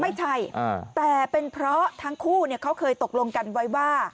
ไม่ใช่แต่เป็นเพราะทั้งคู่เขาเคยตกลงกันไว้ว่า